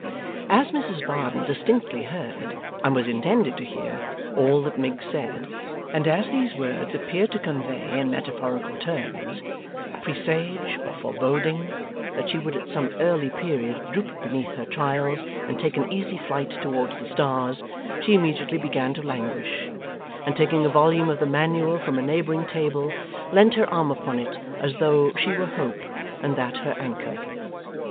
As Mrs Varden distinctly heard, and was intended to hear, all that Miggs said, and as these words appeared to convey in metaphorical terms a presage or foreboding that she would at some early period droop beneath her trials and take an easy flight towards the stars, she immediately began to languish, and taking a volume of the Manual from a neighbouring table, leant her arm upon it as though she were Hope and that her Anchor.